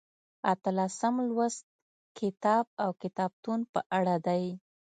اتلسم لوست کتاب او کتابتون په اړه دی.